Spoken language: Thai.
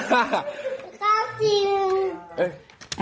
พิกัดจริง